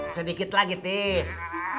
sedikit lagi tis